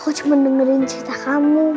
aku cuma dengerin cerita kamu